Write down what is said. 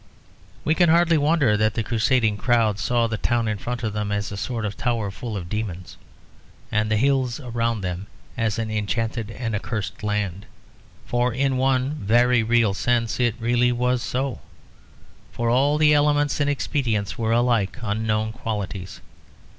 We can hardly wonder that the crusading crowd saw the town in front of them as a sort of tower full of demons, and the hills around them as an enchanted and accursed land. For in one very real sense it really was so; for all the elements and expedients were alike unknown qualities.